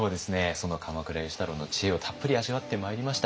その鎌倉芳太郎の知恵をたっぷり味わってまいりました。